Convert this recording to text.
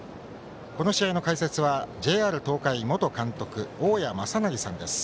この試合はＪＲ東海元監督の大矢正成さんです。